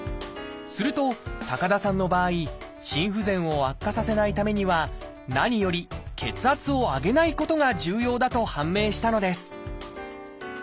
すると高田さんの場合心不全を悪化させないためには何より血圧を上げないことが重要だと判明したのです